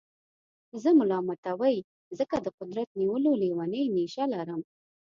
زه ملامتوئ ځکه د قدرت نیولو لېونۍ نېشه لرم.